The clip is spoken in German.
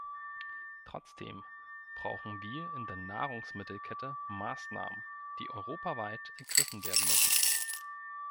Trotzdem brauchen wir in der Nahrungsmittelkette Maßnahmen, die europaweit ergriffen werden müssen.